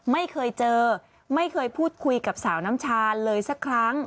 ไม่เคยเจอไม่เคยพูดคุยกับสาวน้ำชาเลยสักครั้ง